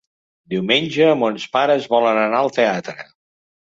Diumenge mons pares volen anar al teatre.